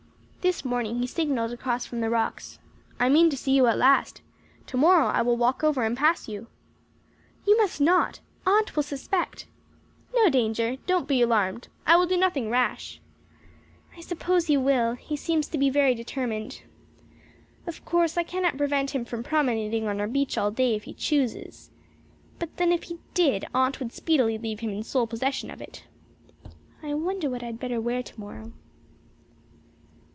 This morning he signalled across from the rocks: "I mean to see you at last. Tomorrow I will walk over and pass you." "You must not. Aunt will suspect." "No danger. Don't be alarmed. I will do nothing rash." I suppose he will. He seems to be very determined. Of course, I cannot prevent him from promenading on our beach all day if he chooses. But then if he did, Aunt would speedily leave him in sole possession of it. I wonder what I had better wear tomorrow.